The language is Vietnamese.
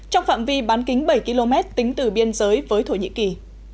trong phạm vi bán kính bảy km tính từ biên giới với thổ nhĩ kỳ